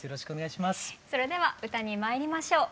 それでは歌にまいりましょう。